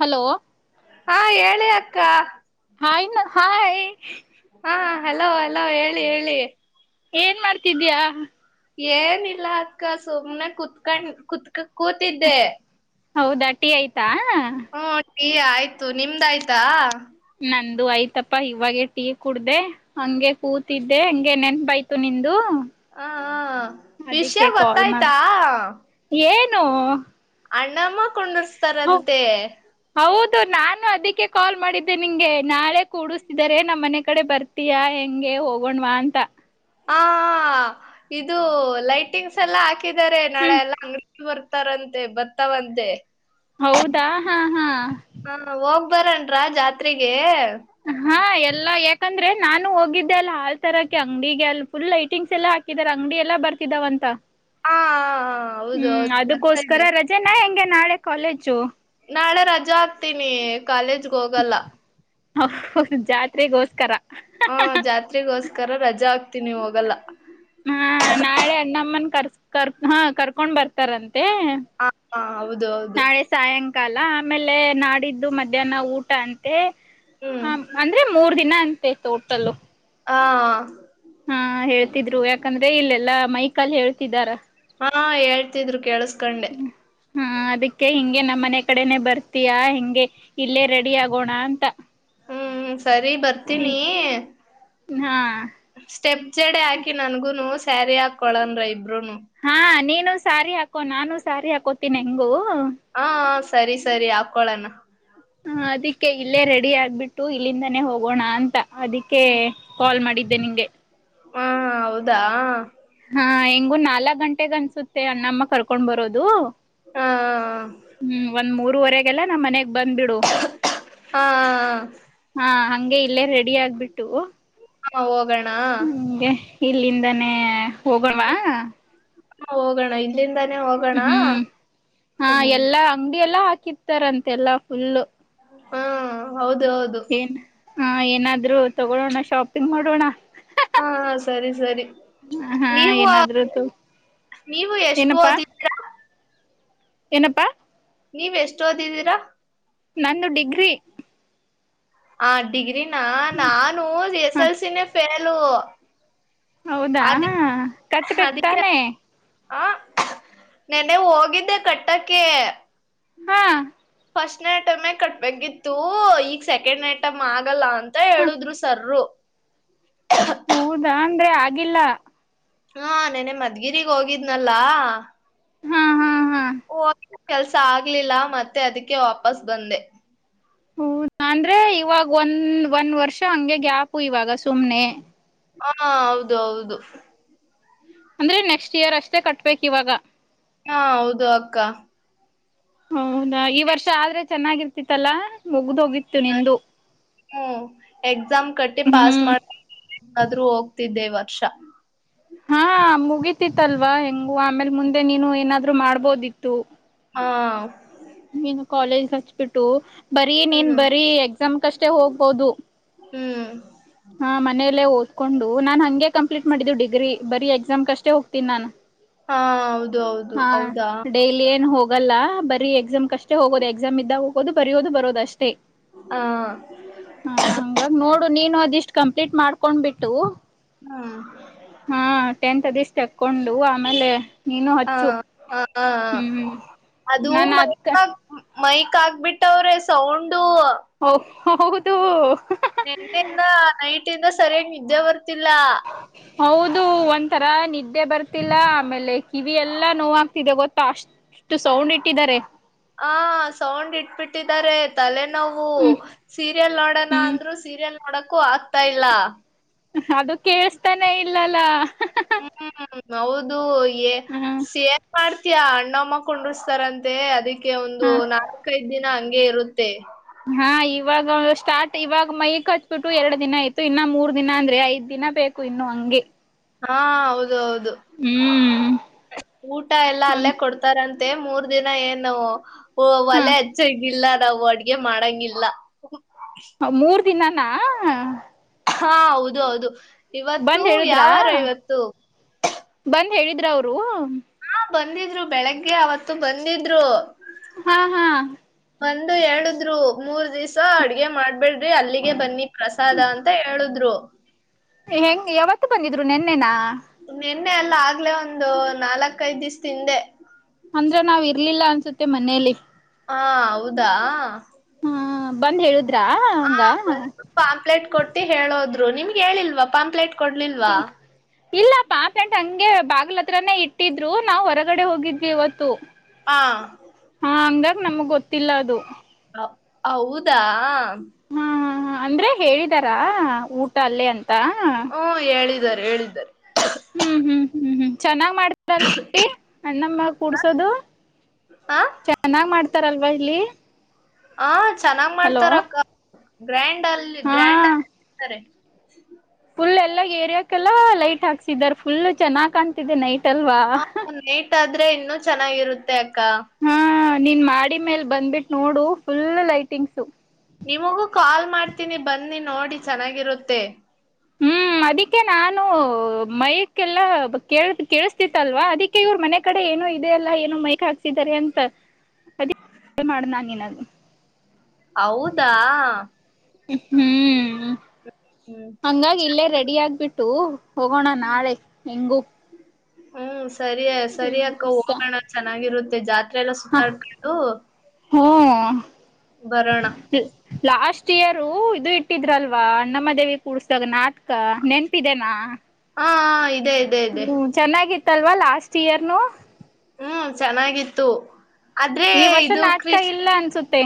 Hello ಹಾ ಹೇಳಿ ಕ್ಕ ಹಾಯ್ ಣ ಹಾಯ್ ಹಾ ಹಲೋ ಹಲೋ ಹೇಳಿ ಹೇಳಿ ಏನ್ ಮಾಡ್ತಿದ್ಯಾ ಏನಿಲ್ಲ ಅಕ್ಕ ಸುಮ್ನೆ ಕುೂತ್ಕೊಂ ಕುೂತ್ಕ ಕೂತಿದ್ದೆ. ಹೌದ ಟಿ ಆಯ್ತಾ ಹುಂ ಟೀ ಆಯ್ತು ನಿಮ್ದಾಯ್ತಾ. ನಂದು ಆಯ್ತಪ್ಪ ಇವಾಗೆ ಟೀ ಕುಡ್ದೇ ಹಂಗೆ ಕೂತಿದ್ದೆ ಹಂಗೆ ನೆನ್ಪಾಯ್ತು ನಿಂದು ಹ ಹಾ ವಿಷಯ ಅದಿಕ್ಕೆ ಗೊತ್ತಾಯ್ತಾ ನೋ ಅಣ್ಣಮ ಕುಂಡುರ್ಸ್ ಸ್ತರಂತೆ ದು ನಾನು ಅದಿಕ್ಕೆ ಕಾಲ್ ಮಾಡಿದ್ದೆ ನಿಂಗೆ ನಾಳೆ ಕೂಡಸ್ತಿದಾರೆ ನಮ್ಮ್ ಮನೆ ಕಡೆ ಬರ್ತೀಯಾ ಹೆಂಗೆ ಹೋಗೋಣ್ವಾ ಅಂತ. ಹ ಇದು ಲೈಟಿಂಗ್ಸ್ ಎಲ್ಲ ಹಾಕ್ ಕಿದ್ದಾರೆ ನಾಳೆ ಹ್ಮ್ ಎಲ್ಲ ಅಂಗಡಿ ಬರ್ತಾರಂತೆ ಬರ್ತಾವಂತೆ. ಹೌದಾ ಹಾ ಹಾ ಬರಣ್ರ ಜಾತ್ರೆಗೆ ಹಾ ಎಲ್ಲಾ ಯಾಕಂದ್ರೆ ನಾನು ಹೋಗಿದ್ದೆ ಅಲ್ಲಿ ಹಾಲ್ ತರಕ್ಕೆ ಅಂಗಡಿಗೆ ಅಲ್ಲಿ ಫುಲ್ ಲೈಟಿಂಗ್ಸ್ ಎಲ್ಲಾ ಹಾಕಿದಾರ ಅಂಗಡಿ ಎಲ್ಲಾ ಬರ್ತಿದ್ದಾವ ಅಂತ. ಹಾ ಹೌದು ಹ್ಮ್ ಹೌದು ಬರ್ತಾ ಅದುಕೋಸ್ಕರ ಇದ್ದೇವೆ ರಜೆನಾ ಹೆಂಗೆ ನಾಳೆ ಕಾಲೇಜು ನಾಳೆ ರಜಾ ಹಾಕ್ತೀನಿ. ಕಾಲೇಜ್ಗ್ ಹೋಗಲ್ಲ. ಓಹ್ ಹೊ ಹ್ ಜಾತ್ರೆಗೋಸ್ಕರ ಹ ಜಾತ್ರೆಗೋಸ್ಕರ ರಜಾ ಹಾಕ್ತೀನಿ ಹೋಗಲ್ಲ ಹಾ ನಾಳೆ ಅಣ್ಣಮ್ಮನ್ ಕರ್ ಕರ್ ಹಾ ಕರ್ಕೊಂಡ್ ಬರ್ತಾರನ್ ಏ ಹ ಹೌದು ಹೌದು ನಾಳೆ ಸಾಯನ್ ಕಾಲ ಆಮೇಲೆ ನಾಡಿದ್ದು ಮಧ್ಯಾಹ್ನ ಊಟ ಅಂತೆ ಹ್ಮ್ ಹ ಅಂದ್ರೆ ಮೂರ್ ದಿನ ತೋಟಲ್ಲ ಹಾ ಹೇಳ್ತಿದ್ರು ಯಾಕಂದ್ರೆ ಇಲ್ಲೆಲ್ಲಾ ಮೈಕಲ್ ಹೇಳ್ತಿದಾರ ಹಾ ಹೇಳ್ತಿದ್ರು ಕೇಳಸ್ಕಂಡೆ ಹಾ ಅದಕ್ಕೆ ಹಿಂಗೆ ನಮ್ಮ್ ಮನೆ ಕಡೆನೆ ಬರ್ತೀಯಾ ಹಿಂಗೆ ಇಲ್ಲೇ ರೆಡಿ ಆಗೋಣ ಅಂತ ಹ್ಮ್ ಸರಿ ಸಿ ಬರ್ತೀನಿ ಹಾ ಸ್ಟೆಪ್ ಜಡೆ ಹಾಕಿ ನನ್ಗುನು ಸ್ಯಾರಿ ಹಾಕೊಳನ್ರ ಇಬ್ರು ನು ಹಾ ನೀನು ಸಾರಿ ಹಾಕೋ ನಾನು ಸಾರಿ ಹಾಕ್ ಕೋತಿನಿ ಹೆಂಗು ಹ ಸರಿ ಸರಿ ಹಾಕ್ಕೊಳಣ ಹ ಅದಿಕ್ಕೆ ಇಲ್ಲೇ ರೆಡಿ ಆಗ್ಬಿಟ್ಟು ಇಲ್ಲಿಂದಾನೇ ಹೋಗೋಣ ಅಂತ ಅದಕ್ಕೆ ಕಾಲ್ ಮಾಡಿದ್ದೆ ನಿಂಗೆ ಹಾ ಹೌದಾ ಹಾ ಹೆಂಗು ನಾಲ್ಕಕ್ ಗಂಟೆಗ ಅನ್ಸುತ್ತೆ ಅಣಮ್ಮ ಕರ್ಕೊಂಡ್ ಬರೋದು. ಹ ರುವರೆಗೆಲ್ಲ ನಮ್ಮ ಮನೆ ಬಂದ್ಬಿಡು ಹಾ ಹಾ ಹಂಗೆ ಇಲ್ಲೇ ರೆಡಿ ಆಗ್ಬಿಟ್ಟು ಹ ಹೋಗೋಣ ಹ್ಮಗೆ ಇಲ್ಲಿಂದನೇ ಹೋಗಣವಾ ಹಾ ಹೋಗೋಣ ಇಲ್ಲಿಂದ. ಹ್ಮ್ ಹಾ ಎಲ್ಲಾ ಅಂಗಡಿ ಎಲ್ಲಾ ಹಾಕಿತ್ತಾರಂತೆಲ್ಲಾ ಫುಲ್ ಹ್ಮ ಹೌದು ಹೌದು? [inaudible] ಹಾ ಏನಾದ್ರು ತಗೊಳೋಣ ಶಾಪಿಂಗ್ ಮಾಡೋಣ ಹಾ ಸರಿ ಸರಿ ಹಾ ನೀವು ಏನಾದ್ರು ನೀವು ಎಷ್ಟು ಏನಪ್ಪಾ ಓದಿದ್ಯಾ ಏನಪ್ಪಾ ನೀವ್ ಎಷ್ಟ ಓದಿದ್ದೀರಾ ನಂದು ಡಿಗ್ರಿ ಹ ಡಿಗ್ರಿ ನಾನು ಹ ಎಸ್ ಎಲ್ಸನೆ ಫೇಲ್ ಳೂ ಹೌದಾ ಕಟ್ಬೇಕ್ ಅದಕ್ಕೆ ತಾನೆ. [unintelligible] ನೆನ್ನೆ ಹೋಗಿದ್ದೆ ಕಟ್ಟಕ್ಕೇ ಹಾ. ಫಸ್ಟ್ ನೇ ಟರ್ಮೇ ಕಟ್ಬೇಕಿತ್ತೂ ಈಗ್ ಸೆಕೆಂಡ್ ನೇ ಟಮ್ ಆಗಲ್ಲ ಅಂತ ಹ ಹೇಳುದ್ರು ಸರ್ರು. ಹೌದಾ ಅಂದ್ರೆ ಆಗಿಲ್ಲ? ಆಂ ನೆನ್ನೆ ಮದ್ಗಿರಿಗ್ ಹೋಗಿದ್ನಲ್ಲಾ, ಹಾ ಹಾ ಹಾ [unintelligible] ಕೆಲ್ಸ ಆಗ್ಲಿಲ್ಲ ಮತ್ತೆ ಅದಕ್ಕೆ ವಾಪಸ್ ಬಂದೆ. ಹೌದಾ ಅಂದ್ರೆ ಇವಾಗ ಒಂದ್ ಒಂದ್ ವರ್ಷ ಹಂಗೆ ಗ್ಯಾಪು ಇವಾಗ ಸುಮ್ನೆ. ಆಂ ಹೌದು ಹೌದು. ಅಂದ್ರೆ ನೆಕ್ಸ್ಟ್ ಇಯರ್ ಅಷ್ಟೇ ಕಟ್ಬೇಕ್ ಇವಾಗ? ಹಾ ಹೌದು ಅಕ್ಕ. [unintelligible] ಅವ್ನಾ ಈ ವರ್ಷ ಆದ್ರೆ ಚೆನ್ನಾಗಿರ್ [unintelligible] ಹೂಂ, ಎಕ್ಸಾಮ್ ಕಟ್ಟಿ ಪಾಸ್ ಹ್ಮ್ ಮಾಡ್ [unintelligible] ಆದ್ರೂ ಹೋಗ್ತಿದ್ದೆ ಇವತ್ [unintelligible] ಹಾ ಮುಗಿತಿತ್ತಲ್ವಾ ಹೆಂಗು ಆಮೇಲ್ ಮುಂದೆ ನೀನು ಏನಾದ್ರು ಮಾಡ್ಬೋದಿತ್ ತು ಹಾ ನೀನು ಕಾಲೇಜ್ [unintelligible] ಬಿಟ್ಟು ಬರೀ ನೀನ್ ಹ್ಮ್ ಬರೀ ಎಕ್ಸಾಮ್ಕಷ್ಟೆ ಹೋಗ್ಬೋದು. ಹ್ಮು. ಕೊಂಡು ನಾನ್ ಹಂಗೆ ಕಂಪ್ಲೀಟ್ ಮಾಡಿದ್ದು ಡಿಗ್ರೀ ಬರೀ ಎಕ್ಸಾಮ್ಕಷ್ಟೆ ಹೋಗ್ತಿನ್ ನಾನು. ಹಾ, ಹೌ ಹಾ ಡೈಲಿ ಏನ್ ಹೋಗ್ ವಲ್ಲಾ ಬರೀ ಎಕ್ಸಾಮ್ ಕಷ್ಟೇ ಹೋಗೋದು ಎಕ್ಸಾಮ್ ಇದ್ದಾಗ್ ಓದು ಬರಿಯೋದು ಬರೋದ್ ಅಷ್ಟೇ. ಹ ಆ ಹಂಗಾಗ್ ನೋಡು ನೀನು ಅದ್ ಇಷ್ಟ್ ಕಂಪ್ಲೀಟ್ ಮಾಡ್ಕೊಂಡ್ ಬಿಟ್ಟು ಹಾ. ಹಾ ಟೆಂತ್ ಡಿಸ್ಕ್ ಕೊಂಡು ಆಮೇಲೆ ನೀನು ಹ ಹಚ್ಚು. ಹ ಹ ಹ್ಮಹ ಅದು ನಾನ್ ಅಕ್ ಮೈಕ್ ಮೈಕ್ ಆಕ್ಬಿಟ್ಟವ್ರೆ ಸೌಂಡು ಓಹ್ ಹೊ ಹೌದು. ನೆನ್ನೆಯಿಂದಾ ನೈಟಿಂದ ಸರ್ಯಾಗ್ ನಿದ್ದೆ ಬರ್ತ್ ತ್ತಿಲ್ಲಾ. ಅದು ಒಂಥರಾ ನಿದ್ದೆ ಬರ್ತಿಲ್ಲ ಆಮೇಲೆ ಕಿವಿ ಎಲ್ಲಾ ನೋವ್ ಆಗ್ತಿದೆ ಗೊತ್ತಾ ಅಷ್ಟ್ ಹ ಸೌಂಡ್ ಇಟ್ಬಿಟ್ಟ ತಲೆ. [inaudible] ನಾವು ಹ್ಮ್ ಸೀರಿಯಲ್ ನೋಡೋಣ ಹ್ಮ್ ಅಂದ್ರರು ಸೀರಿಲ್ ನೋಡಕ್ಕೂ, ಆಗ್ತಾ ಇಲ್ಲ. [inaudible] ಅದು ಕೇಳ್ಸ್ತಾನೇ ಇಲ್ಲಲ್ಲ ಹ್ಮ್ ಹೌದು ಹ್ಮ್ ಸಿ ಎ ಮಾಡ್ತಯಾ ಅಣ್ಣಮ್ಮ ಕುೊಂಡಿಸಸ್ತಾರಂತೆ ಅದಿ ಒಂದು, ಹ ನಾಲ್ಕೈದು? ದಿನ. [inaudible] ಗೆ, ಇರುತ್ತೆ? [inaudible] ಹಾ ಇವಾಗ ಸ್ಟಾರ್ಟ್ ಇವಾಗ ಮೈ ಬಿಟ್ಟು, ಎರಡು ದಿನ ಅತ್ತು ಇನ್ನ ಮೂರು?. [inaudible] ಮೂರ್ ದಿನ, ಅಂದ್ರೆ ಐದ್, ದಿನ ಬೇಕು! ಇನ್ನು ಹಂಗೆ?. [inaudible] ಹಾ ಹೌದೌದು ಹ್ಮ್ ಊಟ? ಎಲ್ಲ ಅಲ್ಲೇ ಕೊಡ್ತಾರ ಅಂತ. [inaudible] ಮತ್ತೆ ಮೂರ್ ದಿನ ಏನು ಓ ಹ ಹ ಒಲ ಅಚ್ಚ ಗಿಲ್ಲ ನಾವು ಅಡ್ಗೆ ಮಾಡಂಗಿಲ್ಲ ಮೂರ್ ದಿನಾನ?. [inaudible] ಹಾ ಹೌದು ಹೌದು ಇವತ್ತು ಬಂದ್ ಹೇಳಿದ್ರಾ ಯಾವಾರ ಇವತ್ತು ಬಂದ್ ಹೇಳಿದ್ರ ಅವರು ಹಾ ಬಂದಿದ್ರು, ಬೆಳಗ್ಗೆ? ಅವತ್ತು ಬಂದಿದ್ರು. [inaudible] ಹಾ ಹಾ ಒಂದು, ಎರಡದ್ರು! ಮೂರ್ ದಿವ?. [inaudible] ಸ ಅಡ್ಗೆ ಮಾಡ್ಬೇಡ್ರಿ ಅಲ್ಲಿಗೆ ಬನ್ನಿ ಪ್ರಸಾದ ಅಂತ ಹೇಳುದ್ರು ಹೆಂಗ್, ಯಾವತ್ತು! ಬಂದಿದ್ರು ನಿೆನ್ನೆನ?.. [unintelligible] ನಿನ್ನೆ ಎಲ್ಲ ಆಗ್ಲೆೇ ಒಂದು ನಾಲ್ಕ್ೈದ್ ದಿವ್ ತಿಂದೆ ಅಂದ್ರ ನಾವ್ ಇರ್ಲಿಲ್ಲ ಅನ್ಸುತ್ತೆ ಮನೇಲಿ ಹಾ ಹೌದಾ ಹಾ ಬಂದ್ ಹೇಳುದೆ ಹ ಬ ಸ್ವ ಪಾಂಪ್ಲೆಟ್ ಕೊಟ್ಟಿ ಹೇಳೋದು ನಿಮ್ಗೆ ಹೇಳಿಲ್ವಾ ಪಂಪ್ಲೇಟ್ ಕೊಡ್ಲಿಲ್ವಾ ಇಲ್ಲಪ್ಪಾ? ಫ್ರೆಂಟ್ ಹಂಗೆ ಬಾಗಿಲತ್ರನೇ? ಇಟ್ಟಿದ್ರು ನಾವವು, ಹೊರಗಡೆ ಹೋಗಿದ್ವಿ ಇವತ್ತು. [unintelligible] ಹಾ?. [inaudible] ನಮ್ಗ್, ಗೊತ್ತಿಲ್ಲ ಅದು? [inaudible] ಹೌದಾ ಹ ಹಾ ಹಾ ಅಂದ್ರೆ! ಹೇಳಿದಾರಾ, ಊಟ ಅಲ್ಲೇ ಅಂತ? [inaudible] ಹಾ ಇದಾರೆ, ಹೇಳಿದ್ದಾರೆ? [inaudible] ಹ್ಮ್, ಹ್ಮ್, ಹ್ಮ್, ಹ್ಮ್! ಚೆನ್ನ?.. [inaudible] ಮಾಡ್ತ ಅಣಮ್ಮ ಕುಡ್ಸೋದು ಹ ಚನ್ನಾಗ್ ಮಾಡ್ತ ಇತಾರಲ್ವಾ ಇಲ್ಲಿ ಹ, ಚೆನ್ನಾಗ್ ಹಲೋ ಮಾಡ್ತಾರ! ಅಕ್ಕ ಗ್ರ್ಯಾಂಡ್, ಅಲ್ಲಿ ಹಾ ಗ್ರ್ಯಾಂಡ್? [unintelligible] ಹ್ಮ? [inaudible] ಫುಲ್ ಎಲ್ಲ ಏರಿಯಾಕ್ೆಲ್ಲಾ ಲೈಟ್ ಹಾಕ್ಸಿದ್ದಾರೆ ಫುಲ್ ಚೆನ್ನಾಗಿ ಕಾಣತಿದೆ ನೈಟ್ ಅಲ್ವಾ ಹ, ಲೇಟ್ ಆಗುತ್ತೆ?. [inaudible] ಇನ್ನುೂ ಚೆನ್ನಾಗಿರುತ್ತೆ ಕಾ ಹಾ ನೀನ್ ಮಾಡಿ ಮೇಲ್ ಬಂದಬಿಟ್ಟು ನೋಡು ಫುಲ್ ಲೈಟಿಂಗ್ಸು ನಿಮಗೂ, ಕಾಲ್ ಮಾಡ್ತೀನಿ! ಬನ್ನಿ ನೋಡಿ ಚೆನ್ನಾಗಿರುತ್ತೆ?. [unintelligible] ಹ್ಮ್! ಅದಕ್ಕೆ ನಾನು ಮೈಕ್ಲ್ಲಾ, ಕೇಳು ಕೇಳಸ್ತಿತ್ತಲ್ವಾ, ಅದಿಕ್ಕೆ ಇವ್ರ ಮನೆ ಕಡೆ ಏನು ಇದೆ ಅಲ್ಲಾ ಏನು ಮೈಕ್ ಹಾಕ್? [unintelligible] ಾರೆ ಎಂತ ಅದ ಮಾಡ ನಂಗ ನಗೆ ಹೌದಾ ಹ್ಮ್ ಹಂಗಾಗಿ ಇಲ್ಲೇ ಹ್ಮ್ ರೆಡಿ ಆಗ್ಬಿಟ್ಟು ಹೋಗೋಣ ನಾಳೆ ಹೆಂಗು ಹ ಸರಿಯ ಸರಿ ಅಕ್ಕ ಹೆಂಗುಸ ಹೋಗೋಣ ಚೆನ್ನಾಗಿರುತ್ತೆ ಜಾತ್ ಹ ಎಲ್ಲ ಸುತ್ತಾಡ್ಕು ಹ್ಮ ಬರೋಣ ಲಾಸ್ಟ್ ಇಯರು ಇದು ಇಟ್ಟಿದ್ರಲ್ವ ಅಣ್ಣಮ್ಮ ದೇವಿ ಕೂಡ್ಸ್ದಾಗ ನಾತ್ ನೆನ್ಪಿದೆೇನಾ ಅದೇ ಅದೇ ಇದೇ ಲ್ವಾ ಲಾಸ್ಟ್ ಇಯರ್. ಹ್ಮ್ ಚೆನ್ನಾಗಿತ್ತು ಆದ್ರೆ ಈ ವರ್ಷ ಇದು ನಾಟ್ಕ ಕ್ರಿಶ್ ಇಲ್ಲ ಅನ್ಸುತ್ತೆ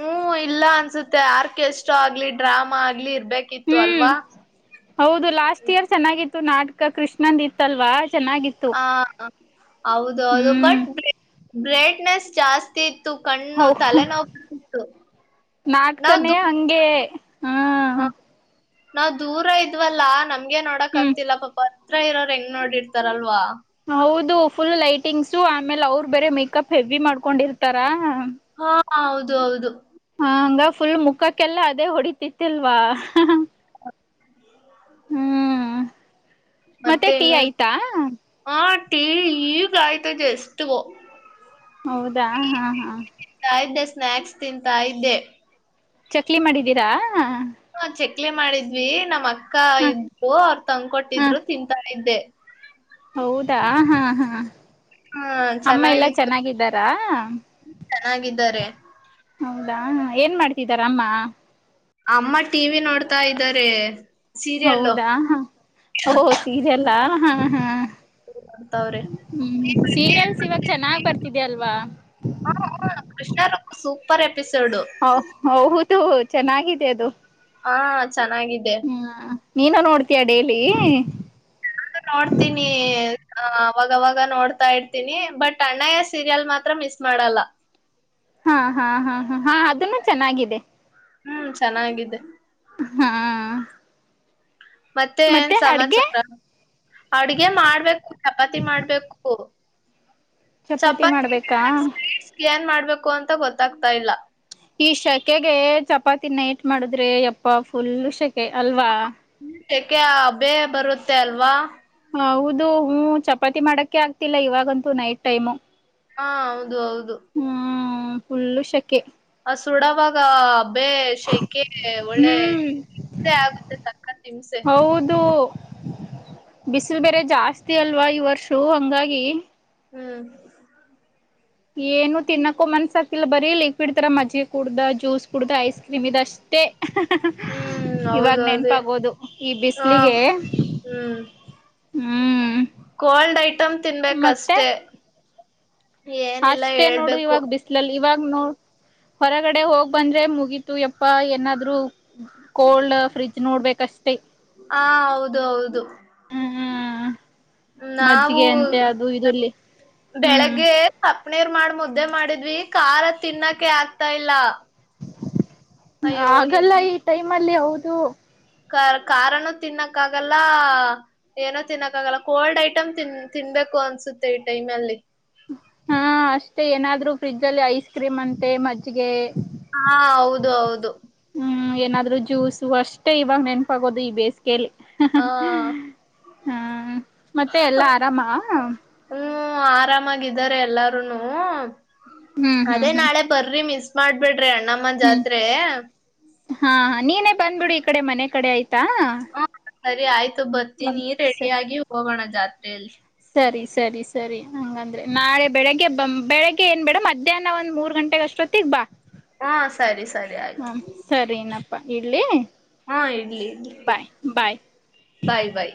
ಹ್ಮ್ ಇಲ್ಲ ಅನ್ಸುತ್ತೆ ಆರ್ಕೆಸ್ಟ್ರೋ ಆಗ್ಲಿ ಡ್ರಾಮಾ ಆಗ್ಲಿ ಇರ್ಬೇಕಿತ್ತು ಹ್ಮ್ ಅಲ್ವಾ ಹೌದು ಲಾಸ್ಟ್ ಇಯರ್ ಚೆನ್ನಾಗಿ ತು ನಾಟ್ಕ ಕೃಷ್ಣಂದ್ ಇತ್ತಲ್ವಾ? ಚೆನ್ನಾಗಿತ್ತು. ಆ ಹೌದೌದು ಹ್ಮ್ ಬಟ್ [unintelligible] ಬ್ರೇಟ್ನೆಸ್ ಜಾಸ್ತಿ ಕಣ್ಣು ತಲೆನೋವು ಬರ್ತಿತ್ತು ನಾಟ್ಕನೇ ಹಂಗೆ. ಹ್ಮ್ ಅ ನಾವ್ ದೂರ ಇದ್ವಲ್ಲಾ ನಮ್ ಗೆ ನೋಡಕ್ ಹ್ಮ್ ಆಗ್ತಿಲ್ಲ ಪಾಪ ಹತ್ರ ಇರೋರೆಂಗ್ ನೋಡಿರ್ತಾರಲ್ವಾ? ಹೌದು ಫುಲ್ ಲೈಟಿಂಗ್ಸು ಆಮೇಲ್ ಅವ್ರ್ ಬೇರೆ ಮೇಕಪ್ ಹೆವಿ ಮಾಡ್ಕೊಂಡಿರ್ತಾರಾ ಆ ಹೌದು ಹೌದು. ಹ ಹಂಗ ಫುಲ್ ಮುಖಕ್ಕೆಲ್ಲ ಅದೇ ಹೊಡತಿತಿಲ್ವಾ? ಹ್ಮ್ ಮತ್ತೆ ಟೀ ಆಯ್ತಾ? ಹಾ ಟೀ ಈಗಾಯ್ತು ಜಸ್ಟು. ಹೌದಾ? ಹಾ ಹಾ. ಇದ್ದೆ ಸ್ನ್ಯಾಕ್ಸ್ ತಿಂತಾ ಇದ್ದೆ. ಚಕ್ಲಿ ಮಾಡಿದ್ದೀರಾ? ಹಾ ಚಕ್ಲಿ ಮಾಡಿದ್ವಿ ನಮ್ ಅಕ್ ಅಕ್ಕಾ ಇ ಹ [unintelligible] ಅವ್ರ್ ಹ ತಂದ್ಕೊಟ್ಟಿದ್ರು ತಿಂತಾ ಇದ್ದೆ. [unintelligible] ಹೌದಾ, ಹಾ ಹಾ. ಹಾ ಅಮ್ಮ ಎಲ್ಲ ಚೆನ್ನಾಗಿತ್ತು ಚೆನ್ನಾಗಿದ್ದಾರಾ? ಚೆನ್ನಾಗಿದ್ದಾರೆ. ಹೌದಾ ಏನ್ ಮಾಡ್ ತಿದಾರಮ್ಮ. ಅಮ್ಮ ಟೀವಿ ನೋಡ್ತಾ ಇದಾರೇ. ಹೌದಾ, ಒಹೊಹೊ ಸೀರ್ಯಲ್ಲಾ ಹ ಹ, ನೋಡ್ತಾವ್ರೆ ಹ್ಮ ಸೀರಿಯಲ್ಸ್ ಇವಾಗ ಚೆನ್ನಾಗ್ ಬರ್ತಿದೆ ಅಲ್ವಾ? ಹಾ ಕೃಷ್ಣಾರಪ್ಪ ಸೂಪರ್ ಎಪ್ ಆಹ್ ಹೌದು. ಚೆನ್ನಾಗಿದೆ ಅದು. ಆಂ ಅದ್ ಚೆನಗಿದೆ ನೀನ ನೋಡ್ತೀಯಾ ಡೇಲಿ. ನ ನೋಡ್ತೀನಿ ಅವಾಗವಾಗ ನೋಡ್ತಾ ಇರ್ತೀನಿ ಬಟ್ ಅಣ್ಣಯ್ಯ ಸೀರಿಯಲ್ ಮಾತ್ರ ಮಿಸ್ ಮಾಡಲ್ಲ. ಹಾ ಹಾ ಹಾ ಹಾ ಹಾ ಅದುನು ಚೆನ್ನಾಗಿದೆ. ಹ್ಮ್ ಚೆನಾಗಿದೆ. ಹ್ಮ್ ಮತ್ತೆ ಏನ್ ಸಮಾಚಾರ [unintelligible] ಅಡಿಗೆ ಮಾಡ್ಬೇಕು ಚಪಾತಿ ಮಾಡ್ಬೇಕು. ಚಪಾತಿ ಮಾಡ್ಬೇಕಾ ಕೂ ಅಂತ ಗೊತ್ತಾಗ್ತಾ ಇಲ್ಲ ಈ ಶಕೆಗೆ ಚಪಾತಿ ನೈಟ್ ಮಾಡಿದ್ರೆ ಯಪ್ಪಾ ಫುಲ್ ಶ ಕೆ ಅಲ್ವಾ ಶಕೆ ಅಬೆ ಬರುತ್ತೆ ಅಲ್ವಾ. ಹೌದು ಹೂ ಚಪಾತಿ ಮಾಡಾಕೆ ಆಗ್ತಿಲ್ಲ ಇವಾಗಂತೂ ನೈಟ್ ಟೈಮ್. ಹಾ ಹೌದು ಹೌ ದು ಹ್ಮ್ ಫುಲ್ಲು ಶಕೆ. ಅ ಸುಡವಗ ಬೇ ಶೆಕೆಗೆ ಒಳ್ಳೆ ಹ್ಮ್ ಹಿಂಸೆ ಆಗುತ್ತೆ ಸಕ್ಕತ್ ಹಿಂಸೆ. ಹೌದು ಬಿಸಿಲು ಬೇರೆ ಜಾಸ್ತಿ ಅಲ್ವಾ ಈ ವರ್ಷು ಹಂಗಾಗಿ ಹ್ಮ್ ಏನು ತಿನ್ನಕು ಮನ್ಸಾಕ್ತಿಲ್ಲ ಬರೀ ಲಿಕ್ವಿಡ್ ತರ ಮಜ್ಜೆ ಕುಡ್ದ ಜ್ಯೂಸ್ ಕುಡ್ದ ಐಸ್ ಕ್ರೀಮ್ ಇದಷ್ಟೇ. ಅಹ್ ಹ್ ಹ್ಮ್ ಹ್ ಇವಾಗ ಹೌದೌದೇ ನೆನ್ಪಾಗೋದು ಈ ಹ ಬಿಸ್ಲಿಗೆ ಹ್ಮ್ ಹ್ಮ್ ಕೋಲ್ಡ್ ಐಟಮ್ ಮತ್ತೆ ತಿನ್ಬೇಕಷ್ಟೆ ಏನಿಲ್ಲ ಅಷ್ಟೇ ನೋಡು ಹೇಳ್ಬೇಕು ಇವಾಗ್ ಬಿಸ್ಲಲ್ ಇವಾ ನೋ ಹೊರಗಡೆ ಹೋಗ್ ಬಂದ್ರೆ ಮುಗೀತು ಯಪ್ಪಾ ಏನಾದ್ರು ಕೋಲ್ಡ್ ಫ್ರಿ ನೋಡ್ಬೇಕಷ್ಟೇ. ಆ ಹೌದು ಹೌದು ಹ್ಮ್ ಹ್ಮ್ ನಾವು ಮಜ್ಜಿಗೆ ಅಂತೆ ಅದು ಇದಲ್ಲಿ ಹ್ಮ್ ಬೆಳಗ್ಗೆ ಪ್ ನ್ನೀರ್ ಮಾಡ್ ಮುದ್ದೆ ಮಾಡಿದ್ವಿ ಖಾರ ತಿನ್ನಕೆ ಆಗ್ತಾ ಇಲ್ಲ. ಅಯ್ಯೋ ಹಾಗಲ್ಲ ಈ ಟೈಮ್ ಅಲ್ಲಿ ಅವ್ ಇದು ಕರ್ ಕಾರನು ತಿನ್ನಕ್ ಆಗಲ್ಲ ಏನೋ ತಿನ್ನಕ್ ಆಗಲ್ಲ ಕೋಲ್ಡ್ ಐಟಮ್ ತಿನ್ ತಿನ್ಬೇಕು ಅನ್ಸುತ್ತೆ ಈ ಟೈಮ್ ಅಲ್ಲಿ. ಹಾ ಅಷ್ಟೇ ಏನಾದ್ರು ಫ್ರಿಡ್ಜ್ ಅಲ್ಲೆ ಐಸ್ ಕ್ರೀಮ್ ಅಂತೆ ಮಜ್ಗೆ ಹಾ ಹೌದು ಹೌದು ಹ್ಮ ಏನಾದ್ರು ಜ್ಯೂಸು ಅಷ್ಟೇ ಇವಾಗ ನೆನ್ಪಾಗೋದು ಈ ಬೇಸ್ ಕೇಳಿ ಹ್ ಹ ಹ್ಮ ಹ ಮತ್ತೆ ಎಲ್ಲಾ ಆರಾಮ. ಹು ಆರಾಮಾಗಿದ್ದಾರೆ ಎಲ್ಲಾರೂನು. ಹ್ಮ್ ಹ್ಮ್ ಅದೇ ಹ್ಮ್ ನಾಳೆ ಬರ್ರಿ ಮಿಸ್ ಮಾಡ್ಬೇಡ್ ಟ್ರೆ ಅಣ್ಣಮ್ಮ ಹ್ಮ್ ಜಾತ್ರೆ. ಹಾ ನೀನೇ ಬಂದ್ಬಿಡು ಈ ಕಡೆ ಮನೆ ಕಡೆ ಆಯ್ ಟಾ ಹ ಸರಿ ಆಯ್ ಆಯ್ತು ಬತ್ತಿನಿ ರೆಡಿ ಆಗಿ ಹೋಗೋಣ. ಜಾತ್ರೇಲಿ ಸರಿ ಸರಿ ಸರಿ ಹಂಗಂದ್ರೆ ನಾಳೆ ಬೆಳಿಗ್ಗೆ ಬ ಬೆಳಿಗ್ಗೆ ಏನ್ ಬೇಡ ಮಧ್ಯಾಹ್ನ ಒಂದ್ ಮೂರ್ ಗಂಟೆ ಅಷ್ಟೊತ್ತಿಗ್ ಬಾ ಹ್ಮ್ ಸರಿ ಸರಿ ಆಯ್ತು. ಹ್ಮ ಸರಿನಪ್ಪಾ ಇಡ್ಲಿ ಹಾ ಇಡ್ಲಿ ಇಡ್ಲಿ ಬಾಯ್ ಬಾಯ್ ಬಾಯ್ ಬಾಯ್.